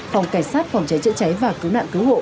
phòng cảnh sát phòng cháy chữa cháy và cứu nạn cứu hộ